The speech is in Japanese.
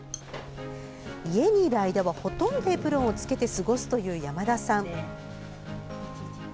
家にいる間は、ほとんどエプロンを着けて過ごすという山田さん。